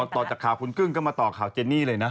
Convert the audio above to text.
ต่อจากข่าวคุณกึ้งก็มาต่อข่าวเจนี่เลยนะ